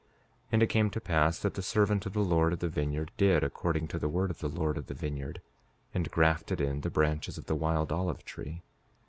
5:10 And it came to pass that the servant of the Lord of the vineyard did according to the word of the Lord of the vineyard, and grafted in the branches of the wild olive tree.